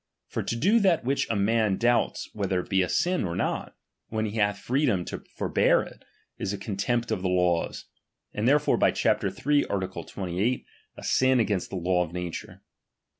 For to do that which a man doubts ^ft whether it be a sin or not, when he hath freedom H to forbear it, is a contempt of the laws ; and H therefore by chap. iii. art. 28, a sin against the H law of nature.